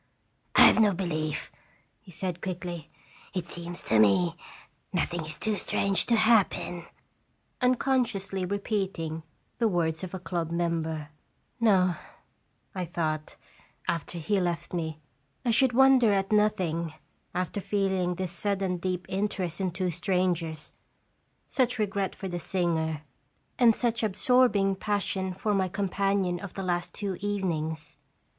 "I have no belief," he said, quickly. "It seems to me nothing is too strange to happen," unconsciously repeating the words of a club member. "No," I thought, after he left me, "I should wonder at nothing after feeling this sudden deep interest in two strangers, such regret for the singer, and such absorbing passion for my If)* JDtfetfr JEeafcT 1 307 companion of the last two evenings."